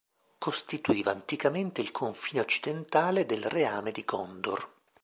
Costituiva anticamente il confine occidentale del Reame di Gondor.